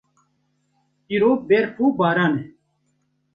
Îro berf û baran e.